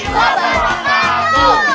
bintang kebaikan ya